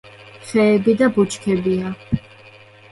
ხეები და ბუჩქებია.